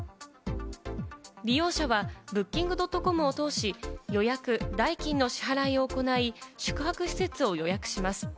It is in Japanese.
利用者はＢｏｏｋｉｎｇ．ｃｏｍを通し、予約・代金の支払いを行い、宿泊施設を予約します。